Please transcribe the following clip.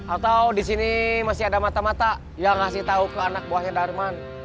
atau di sini masih ada mata mata yang ngasih tahu ke anak buahnya darman